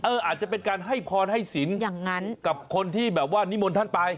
เอออาจจะเป็นการให้พรให้สินกับคนที่แบบว่านิมนต์ท่านไป